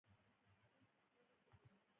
کلدار ولسوالۍ چیرته ده؟